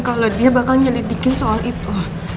kalau dia bakal menyelidiki soal itu